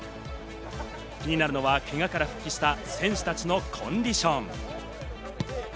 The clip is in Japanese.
気になるのは、けがから復帰した選手たちのコンディション。